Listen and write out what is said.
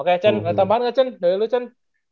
oke chen ada tambahan gak chen dari lo chen